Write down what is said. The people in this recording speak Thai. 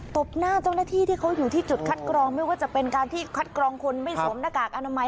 บหน้าเจ้าหน้าที่ที่เขาอยู่ที่จุดคัดกรองไม่ว่าจะเป็นการที่คัดกรองคนไม่สวมหน้ากากอนามัย